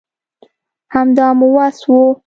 همدا مو وس وو